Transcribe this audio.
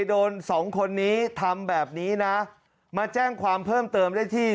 โดนสองคนนี้ทำแบบนี้นะมาแจ้งความเพิ่มเติมได้ที่